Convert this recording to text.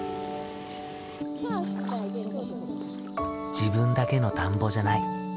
自分だけの田んぼじゃない。